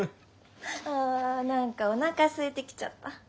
あ何かおなかすいてきちゃった。